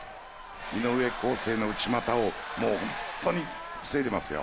井上康生の内股をもう本当に防いでますよ。